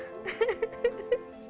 ya sudah ya sudah